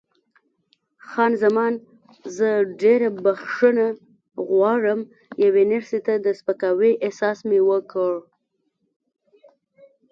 خان زمان: زه ډېره بښنه غواړم، یوې نرسې ته د سپکاوي احساس مې وکړ.